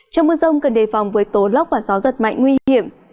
trong mưa sông cần đề phòng với tố lóc và gió rất mạnh nguy hiểm